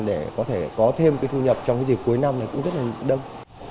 để có thể có thêm cái thu nhập trong cái dịp cuối năm này cũng rất là đông